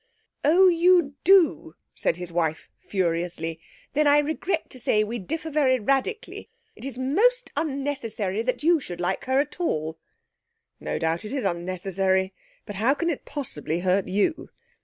'Oh, you do,' said his wife furiously; 'then I regret to say we differ very radically. It is most unnecessary that you should like her at all.' 'No doubt it is unnecessary, but how can it possibly hurt you?